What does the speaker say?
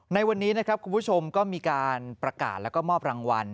ในวันนี้นะครับคุณผู้ชมก็มีการประกาศแล้วก็มอบรางวัล